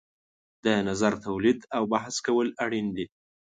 د نظر تولید او بحث کول اړین دي.